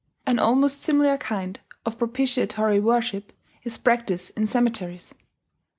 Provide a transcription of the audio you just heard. An almost similar kind of propitiatory worship is practised in cemeteries.